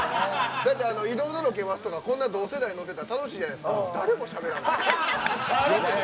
だって移動のロケバスとかこんな同世代乗ってたら楽しいじゃないですか。